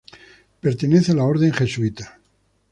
Pertenece a la Orden Jesuita.